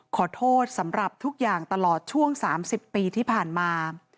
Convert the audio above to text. ขอโทษสำหรับทุกอย่างตลอดช่วง๓๐ปีที่ผ่านมา